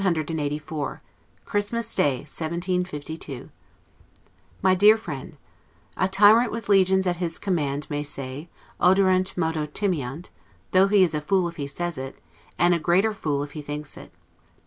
LETTER CLXXXIV Christmas Day, 1752 MY DEAR FRIEND: A tyrant with legions at his com mand may say, Oderint modo timeant; though he is a fool if he says it, and a greater fool if he thinks it.